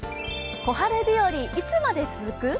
小春日和、いつまで続く？